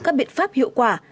các biện pháp hiệu quả